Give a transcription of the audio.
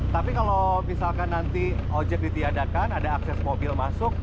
tapi kalau misalkan nanti ojek ditiadakan ada akses mobil masuk